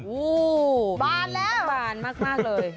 อู้วบานแล้วมากเลย